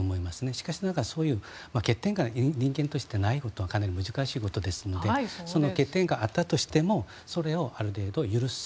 しかしながら、そういう欠点が人間としてないことはかなり難しいことですのでその欠点があったとしてもそれをある程度、許す。